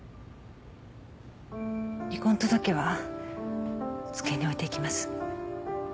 離婚届は机に置いていきます